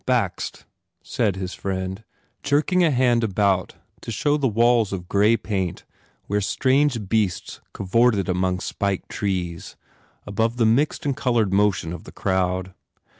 "Bakst," said his friend, jerking a hand about to show the walls of grey paint where strange beasts cavorted among spiked trees, above the mixed and coloured motion of the crowd.